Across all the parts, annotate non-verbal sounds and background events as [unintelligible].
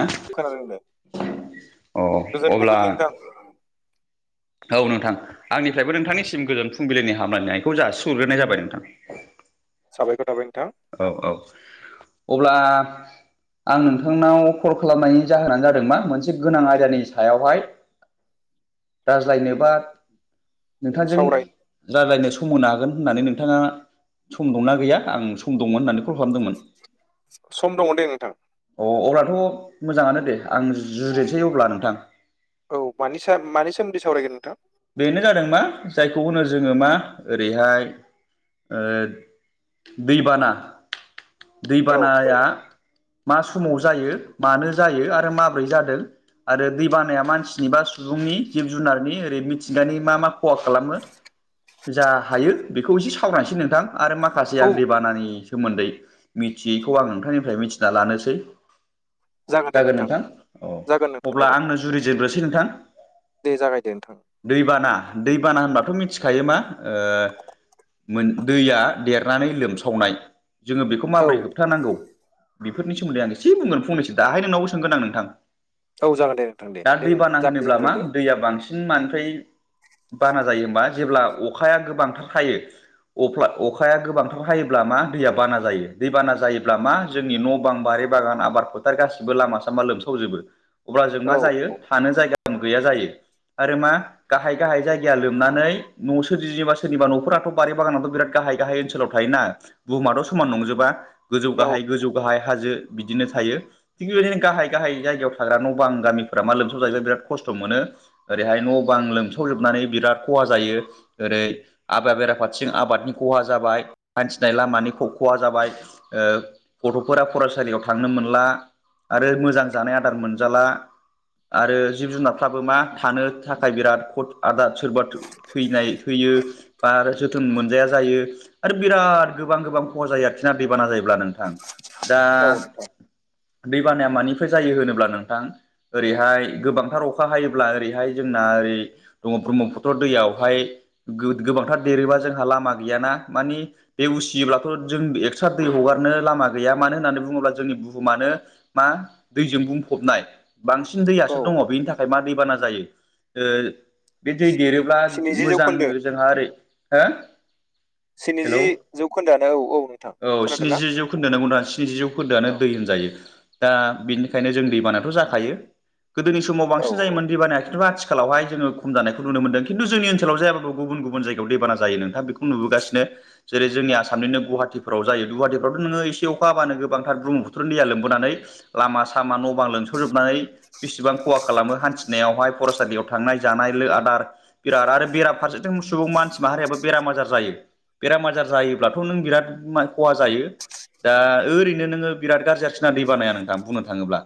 अ खोनादों दे गोजोन अब्ला [unintelligible] औ नोंथां आंनिफ्रायबो नोंथांनिसिम गोजोन फुंबिलिनि हामलायनायखौ जासिहरग्रोनाय जाबाय नोंथां। साबायखर थाबाय नोंथां। औ औ अब्ला आं नोंथांनाव कल खालामनायनि जाहोनानो जादों मा मोनसे गोनां आयदानि सायावहाय राज्लायनो बा नोंथांजों सावराय रालायनो सम होनो हागोन होननानै नोंथाङा सम दंना गैया आं सम दंमोन होननानै कल खालामदोंमोन। सम दङ दे नोंथां। अ अब्लाथ' मोजाङानो दे आं जुरिनोसै अब्ला नोंथां। औ मानि सा मानि सोमोन्दै सावरायगोन नोंथां? बेनो जादों मा जायखौ होनो जोङो मा ओरैहाय ओ दैबाना औ औ दैबानाया मा समाव जायो मानो जायो आरो माब्रै जादों आरो दै बानाया मानसिनि बा सुबुंनि जिब जुनारनि ओरै मि थिंगानि मा मा खहा खालामो जा हायो बेखौ एसे सावरायसै नोंथां आरो मा [unintelligible] औ आं दैेबानानि सोमोन्दै मिथियैखौ आं नोंथांनिफ्राय मिथिना लानोसै। जागोन नोंथां औ जागोन नोंथां अब्ला जागोन आंनो जुरिजोब्रोसै नोंथां। दे जागायदो नोंथां‌। दैबाना दैबाना होनबाथ' मिथिखायो मा ओ मोन दैया देरनानै लोमसावनाय जोङो बेखौ औ माबोरै होबथानांगौ। बेफोरनि सोमोन्दै आं एसे बुंगोन फंनैसो दाहाय नोंनावबो सोंगोन आं नोंथां। औ जागोन दे नोंथां दे दा नों दैबाना होनोब्ला मा जागायजेनग्रोदो दैया बांसिन मानिफ्राय बाना जायो होमबा जेब्ला अखाया गोबांथार हायो। अफ्ला अखाया गोबांथार हायोब्ला मा दैया बाना जायो दै बाना जायोब्ला मा जोंनि न' बां बारि बागान आबाद फोथार गासिबो लामा सामा लोमसावजोबो। अब्ला जों मा औ जायो औ थानो जायगा गैया जायो आरो मा गाहाय गाहाय जायगाया लोमनानै न' सोरजियोबा सोरनिबा न'फोराथ' बारि बागानाथ' बिराद गाहाय गाहाय ओनसोलाव थायोना बुहुमाथ' समान नंजोबा गोजौ औ गाहाय गोजौ गाहाय हाजो बिदिनो थायो। थिग बेबायदिनो गाहाय गाहाय जायगायाव थाग्रा न' बां गामिफोरा मा लोमसाव जायोबाय बिराद खस्थ' मोनो। ओरैहाय न' बां लोमसावजोबनानै बिराद खहा जायो। ओरै आबाद बेराफारथिं आबादनि खहा जाबाय हान्थिनाय लामानि ख-खहा जाबाय। ओ गथ'फोरा फरायसालियाव थांनो मोनला। आरो मोजां जानाय आदार मोनजाला आरो जिब जुनारफ्राबो मा थानो थाखाय बिराद कथ आदार सोरबा थो थैनाय थैयो बा आरो जोथोन मोनजाया जायो। आरो बिराद गोबां गोबां खहा जायो आरोखि ना दैबाना जायोब्ला नोंथां दा नोंथां दैबानाया मानिफ्राय जायो होनोब्ला नोंथां ओरैहाय गोबांथार अखा हायोब्ला ओरैहाय जोंना ओरै दङ ब्रह्मपुत्र दैयावहाय गो-गोबांथार देरोबा जोंहा लामा गैयाना मानि बे उसियोब्लाथ' जों एक्स्रा दै हगारनो लामा गैया मानो होननानै बुङोब्ला जोंनि बुहुमानो मा दैजों बुंफबनाय। बांसिन औ दैयासो दङ बेनि थाखाय मा दैबाना जायो ओ बे दै देरोब्ला स्निजि मोजां जौखोन्दो जोंहा ओरै हो हेलौ स्निजि जौखोन्दोआनो औ औ नोंथां खोनादों ना [unintelligible] स्निजि जौखोन्दोआनो दै होनजायो दा बिनिखायनो जों दैबानाथ' जाखायो। गोदोनि समाव औ बांसिन जायोमोन दैबानाया खिन्थु आथि खालावहाय जोङो खम जानायखौ नुनो मोनदों खिन्थु जोंनि ओनसोलाव जायाबाबो गुबुन गुबुन जायगायाव दैबान जायो नोंथां बेखौ नुबोगासिनो जेरै जोंनि आसामनिनो गुवाहाटी फोराव जायो दुवाहाटिफ्रावथ' नोङो एसे अखा हाबानो गोबांथार ब्रह्मपुत्रनि दैया लोमबोनानै लामा सामा न' बां लोमसावजोबनानै बेसेबां खहा खालामो हान्थिनायावहाय फरायसालियाव थांनाय जानाय लो आदार बिराद आरो बेरा फारसेथिं सुबुं मानसि माहारियाबो बेराम आजार जायो। बेराम आजार जायोब्लाथ' नों बिराद खहा जायो। दा ओरैनोङो बिराद गाज्रिसिना दै बानाया नोंथां, बुंनो थाङोब्ला।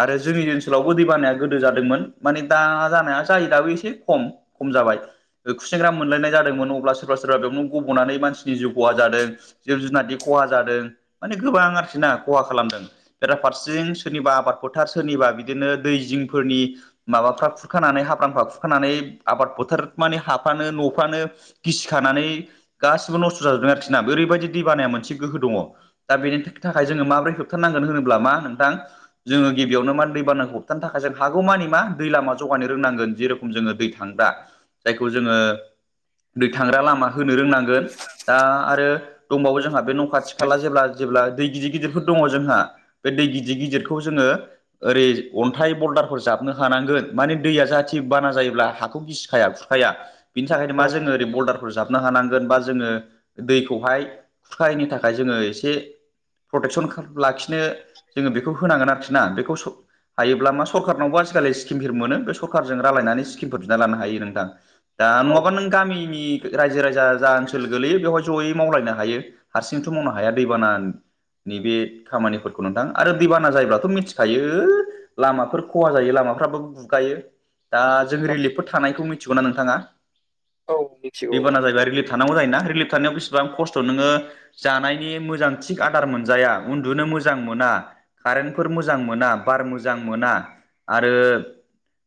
आरो जोंनि ओनसोलावबो दै बानाया गोदो जादोंमोन, माने दा जायो दाबो एसे खम, खम जाबाय। खुसेंग्रा मोनलायनाय जादोंमोन अब्ला सोरबा सोरबा बेयावनो गब'नानै मानसिनि जिउ खहा जादों। जिब जुनारनि खहा जादों माने गोबां आरोखि ना खहा खालामदों। बेराफारसें सोरनिबा आबाद फोथार सोरनिबा बिदिनो दै जिंफोरनि माबाफ्रा खुखानानै हाब्रामफा खुरखानानै आबाद फोथोर माने हाफ्रानो न'फ्रानो गिसि खानानै गासिबो नस्थ' जाजोबदों आरोखि ना ओरैबायदि दै बानाया मोनसे गोहो दङ। दा बेनि थाखाय जोङो माबोरै होबथारनांगोन होनोब्ला मा नोंथां? जोङो गिबियावनो मान दै बानाखौ होबथानो थाखाय जों हागौ मानि मा? दै लामा [unintelligible] रोंनांगोन, जेरकम जोंओ दै थांग्रा, जायखौ जोंऔ दै थाग्रा लामा होनो रोंनांगोन दा आरो दंबावो जोंहा बे न' खाथि खाला जेब्ला जेब्ला दै गिदिर गिदिरफोर दङ जोंहा, बे दै गिदिर गिदिरखौ जोङो ओरै अन्थाइ बलदारफोर जाबनो हानांगोन। माने दैया जााहाथे बाना जायोब्ला हाखौ गिसिखाया खुरखाया। बिनि थाखायनो औ मा जोङो ओरै भल्डारफोर जाबनो हानांगोन। बा जोङो दैखौहाय खुरखाहैनो थाखाय जोङो एसे प्रटेकसन लाखिनो जोङो बेखौ होनांगोन आरोखि ना बेखौ हायोब्ला मा सरखारारनावबो आजिखालि स्किमफोर मोनो बे सरखारजों रायलायनानै स्किमफोर दिना लानो हायो नोंथां, दा औ नङाबा नोंथां नों गामिनि रायजो राजा जा ओनसोल गोलैयो बेवहाय जयै मावलायनो हायो। हारसिंथ' मावनो हाया दैबाना नैबे खामानिफोरखौ नोंथां, आरो दैबाना जायोब्लाथ' मिथिखायो। लामाफोर खहा जायो लामाफ्राबो बुगायो दा जों रिलिफफोर थानायखौ मिथिगौनाा नोंथाङा। औ मिथिगौ रबाना नोंथां जाहैबाय रिलिफ थानांगौ जायोना रिलिफ थानायाव बेसिबां खस्थ' नोङो जानायनि मोजां थिग आदार मोनजाया, उन्दुनो मोजां मोना। कारेन्टफोर मोजां मोना बार मोजां मोना। आरो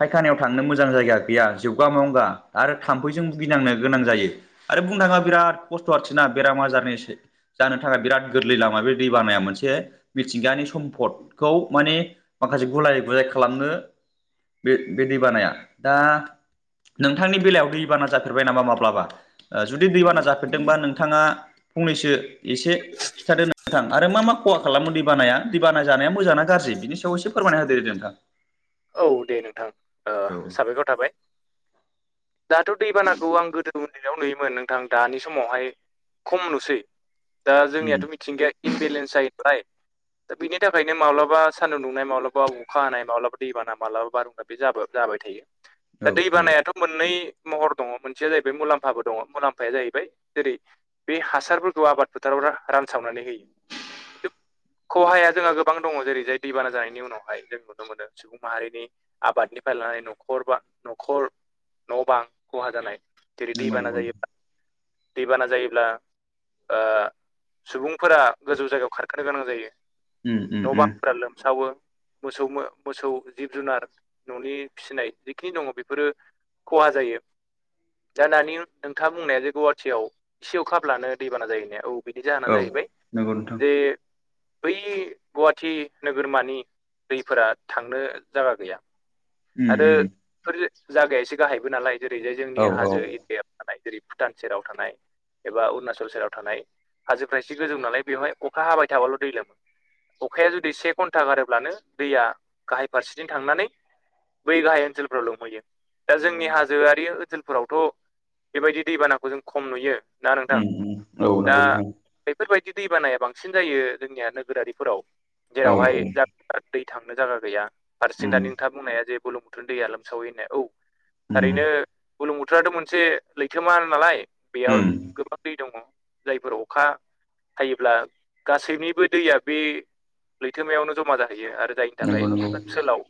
फायखानायाव थांनो मोजां जायगा गैया जोबगा मगा, आरो थाम्फैजों भुगिनांनो गोनां जायो। आरो बुंनो थाङा बिराद खस्थ' आरोखि नना बेराम आजारनिसै। जानो थाखाय बिराद गोरलै लामा बे दै बानाया मोनसे मिथिंगानि सम्फदखौ माने माखासे गुलाय गुजाय खालामनो बे बे दैबानाया, दा नोंथांनि बेलायाव दैबाना जाफेरबाय नामा माब्लाबा? जुदि दैबाना जाफेरदोंबा नोंथाङा फंनैसो एसे खिथादो नोंथां आरो मा मा खहा खालामो दै बानाया? दैबाना जानाया मोजां गाज्रि? बिनि एसे फोरमाय होदो नोंथां। औ दे नोंथां औ साबायखाव थाबाय। दाथ' दैबानाखौ आं गोदो उन्दैयाव नुयोमोन नोंथां दानि समावहाय खम नुसै दा उम जोंनियाथ' मिथिंगाया इमबेलेन्स जायो नालाय, दा बिनि थाखायनो माब्लाबा सान्दुं दुंनाय माब्लाबा अखा हानाय माब्लाबा दैबाना मालाबा बानपानी जा जाबाय थायो, औ दा दैबानायाथ' मोननै महर दङ मोनसेया जाहैबाय मुलाम्फाबो दङ, मुलाम्फाया जाहैबाय जेरै बे हासारफोरखौ आबाद फोथाराव रानसावनानै होयो। खिन् खहाया जोंहा गोबां दङ जेरै जाय दैबाना जानायनि उनावहाय जों नुनो मोनो। सुबुं माहारिनि आबादनिफ्राय लानानै न'खर बा न'खर न' बां खहा जानाय जेरै नंगौ नंगौ दैबाना नोंथां जायो दैबाना जायोब्ला ओ सुबुंफोरा गोजौ जायगायाव खारखानो गोनां जायो। न' उम बां्रा लोमसावो मोसौ मोसौ जिब जुनार न'नि फिसिनाय जिखिनि दङ बेफोरो खहा जायो। दा दानि नोंथाङा बुंनाया जे गुवाहाटियाव एसे अ खाब्लानो दैबाना जायो होननाया। औ। बिनि उम नंगौ जाहोना जाहैबाय नोंथां जे बै गुवाहाटि नोगोरमानि दैफोरा थांनो जायगा गैया उम आरो उम बेफोर जागायासो गाहायबो नालाय जेरै जाय औ जोंनि हाजो नंगौ थानाय जेरै भुटान सेराव थानाय एबा अरुणाचल सेराव थानाय हाजोफ्रा एसे गोजौ नालाय बेवहाय अखा हाबाय थाबाल' दैलोमोन अखाया जुदि से घन्टा गारोब्लानो दैया गाहाय फारसेथिं थांनानै बै गाहाय ओनसोलफ्राव लोमहैयो दा नंगौ जोंनि उम उम औ हाजोआ बे ओनसोलफोरावथ' बेबायदि दैबानाखौ जों खम नुयो ना नोंथां नंगौ दा नोंथां औ बेफोरबायदि दैबानाया बांसिन जायो जोंनिया नोगोरारिफोराव जेरावहाय जा दै थांनो जगा गैया उम फारसें दा नोंथाङ बुंनाया जेुलुम बुथोरनि दैया लोमसावै होननाय औ उम थारैनो बुरलुंबुथुराथ' मोनसे लैथोमा नालाय बेयाव गोबां दै दङ जायफोर अखा थायोब्ला गासैनिबो दैया बे लैथोमायावनो जमा जाहैयो आरो दायो नंगौ थाखाय नंगौ ओनसोलाव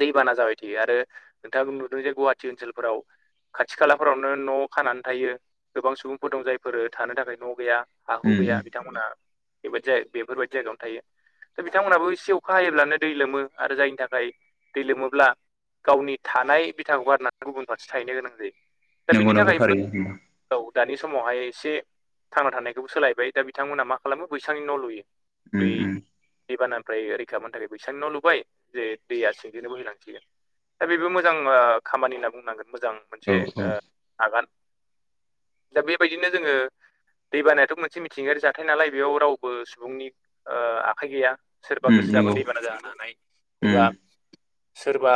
दैबाना जाबाय थायो आरो नोंथाङाबो नुदों जे गुवाहाटि ओनसोलफोराव खाथि खालाफोरावनो न' खानानै थायो गोबां सुबुंफोर दं जायफोर थानो थाखाय न' गैया हा हु उम गैया उम बिथांमोनहा बेबायदि बेफोरबायदि जायगायावनो थायो दा बिथांमोनहाबो एसे अखा हायोब्लानो दै लोमो आरो जायनि थाखाय दै लोमोब्ला गावनि थानाय बिथाखौ गारनानै गुबुन फारसे थाहैनो गोनां जायो दा बेनि नंगौ नंगौ थाखायबो थारैनो औ दानि समावहाय एसे थांना थानायखौबो सोलायबाय दा बिथांमोनहा मा खालामो बैसांनि न' लुयो उम बै उम दैबानानिफ्राय रैखा मोननो थाखाय बैसांनि न' लुबाय जे दैया सि थिंनो बोहैलांसिगोन दा बेबो मोजां खामानि होनना बुंनांगोन मोजां मोनसे औ औ ओ आगान दा बेबायदिनो जोङो दैबानायाथ' मोनसे मिथिंगायारि जाथाय नालाय बेयाव रावबो सुबुंनि ओ आखाइ गैया सोरबा गोसो उम जाबानो नंगौ दैबाना जाहोनो हानाय एबा उम सोरबा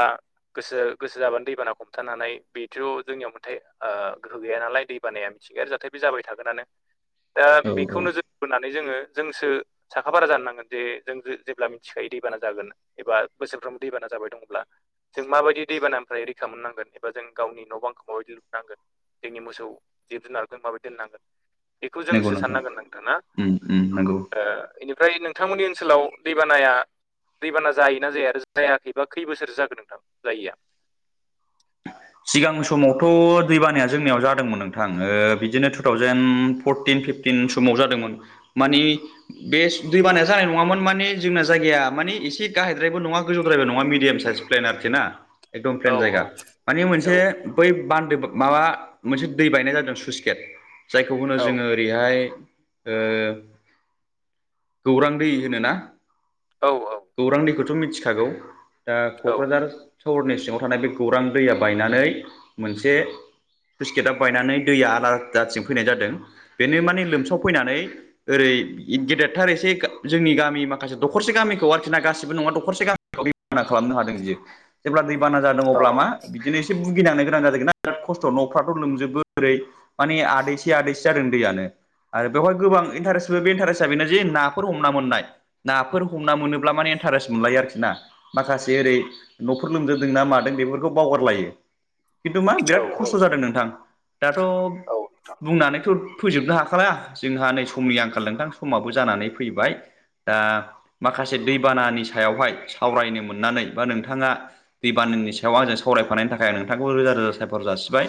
गोसो गोसो जाबानो दैबाना हमथानो हानाय बेथ' जोंनियाव मोनथाय ओ गोहो गैया नालाय दैबानाया मिथिंगायारि जाथाय बे जाबाय थागोनानो दा औ बेखौ औ नोजोर होननानै जोङो जोंसो साखाफारा जानो नांगोन जे जों जेब्ला मिथिखायो दैबाना जागोन एबा बोसोरफ्रोमबो दैबाना जाबाय दंब्ला जों माबायदि दैबानानिफ्राय रैखा मोननांगोन एबा जों गावनि न' बांखौ माबायदि लुनांगोन जोंनि मोसौ जिब जुनारखौ माबोरै दोननांगोन बेखौ जोंसो साननांगोन नोंथां ना उम उम नंगौ ओ बेनिफ्राय नोंथांमोननि ओनसोलाव दैबानाया दैबाना जायोना जाया आरो जायाखैबा खै बोसोरसो जाखो नोंथां जायैया [inaudible] सिगां समावथ' दै बानाया जोंनियाव जादोंमोन नोंथां ओ बिदिनो टु थावजेन फरटिन फिफ थिन समाव जादोंमोन माने बे दैबाना जानाय नङामोन माने जोंना जायगाया मानिे एसे गाहायद्रायबो नङा गोजौद्रायबो नङा मिडियाम साइस प्लेन आरोखि ना एकदम औ प्लेन जायगा माने मोनसे औ बै बान्दो माबा मोनसे दै बायनाय जादों सुइस गेट जायखौ होनो औ जोङो ओरैहाय गौरां दै होनो ना औ गौरां दैखौथ' मिथिखागौ दा औ क'क्राझार सहरनि सिङाव थानाय बे गौरां दैया बायनानै मोनसे सुइस गेटआ बायनानै दैया आलादाथिं फैनाय जादों बेनो माने लोमसाव फैनानै ओरै गेदेरथार एसे जोंनि गामि माखासे दखरसे गामिखौ आरोखि ना गासिबो नङा दखरसे गामि दैबाना खालामनो हादों बियो जेब्ला दैबाना जादों अब्ला मा बिदिनो एसे भुगिनांनो गोनां जादोंना बिराद खस्थ' न'फ्राथ' लोमजोबो ओरै माने आदैसे आदैसे जादों दैयानो। आरो बेवहाय गोबां इन्टारेस्ट बे इन्टारेस्टआ बेनो जे नाफोर हमना मोननाय नाफोर हमना मोनो माने इन्टारेस्ट मोनलायो आरोखि ना माखासे ओरै न'फोर लोमजोबदों ना मादों बेफोर खौ बावगारलायो खिन्थु मा औ बिराद खस्थ' जादों नोंथां। दाथ' औ बुंनानैथ' फोजोबनो हाखाला जोंहा नै समनि आंखाल नोंथां समाबो जानानै फैबाय। दा माखासे दैबानानि सायावहाय सावरायनो मोननानै बा नोंथाङा दैबानानि सायाव आंजों सावरायफानायनि थाखाय आं नोंथांखौ रोजा रोजा साबायखर जासिबाय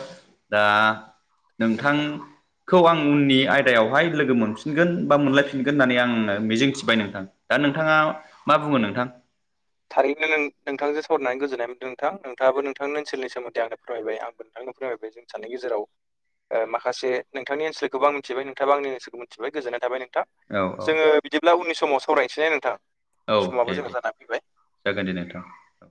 दा नोंथां खौ आं उननि आयदायावहाय लोगो मोनफिनगोन बा मोनलायफिनगोन होननानै आं मिजिं थिबाय नोंथां। दा नोंथाङा मा बुङो नोंथां? थारैनो नों नोंथांजों सावरायनानै गोजोननाय मोनदों नोंथां नोंथाङाबो नोंथांनि ओनसोलनि सोमोन्दै आंनो फोरमायबाय आंबो नोंथांनो फोरमायबाय जे [unintelligible] गेजेराव ओ माखासे नोंथांनि ओनसोलखौबो आं मिथिबाय नोंथाङाबो आंनि ओनसोलखौ मिथिबाय गोजोननाय थाबाय नोंथां। औ औ जोङो बिदिब्ला उननि समाव सावरायनोसै ना नोंथां औ दे समाबो दे जोंना जाना फैबाय। जागोन दे नोंथां। औ